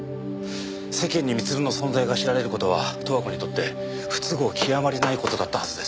世間に光留の存在が知られる事は都和子にとって不都合極まりない事だったはずです。